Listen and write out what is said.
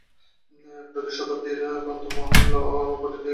ত্রয়োদশ শতাব্দীর গ্রন্থ মল্ল পুরাণ বর্ণিত এই ক্রীড়া ছিল আধুনিক কুস্তির পূর্বসূরী।